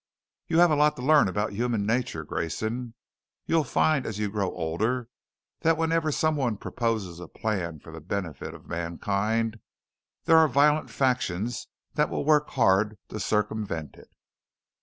"You have a lot to learn about human nature, Grayson. You'll find as you grow older that whenever someone proposes a plan for the benefit of mankind, there are violent factions that will work hard to circumvent it.